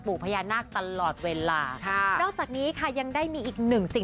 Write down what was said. พญานาคตลอดเวลาค่ะนอกจากนี้ค่ะยังได้มีอีกหนึ่งสิ่ง